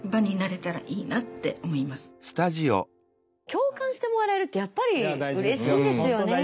共感してもらえるってやっぱりうれしいですよね。